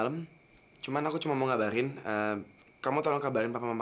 sampai jumpa di video selanjutnya